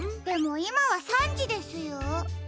でもいまは３じですよ。